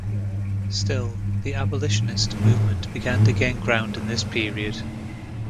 Still, the abolitionist movement began to gain ground in this period.